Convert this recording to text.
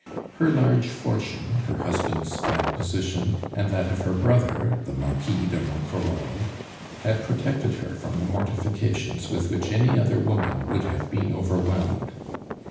Her large fortune, her husband's fine position, and that of her brother, the Marquis de Ronquerolles, had protected her from the mortifications with which any other woman would have been overwhelmed.